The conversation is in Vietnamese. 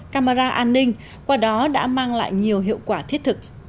camera an ninh qua đó đã mang lại nhiều hiệu quả thiết thực